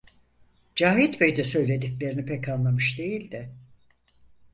Cavit Bey de söylediklerini pek anlamış değildi.